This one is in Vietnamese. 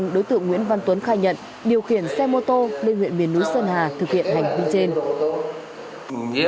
đối tượng nguyễn văn tuấn khai nhận điều khiển xe mô tô lên huyện miền núi sơn hà thực hiện hành vi trên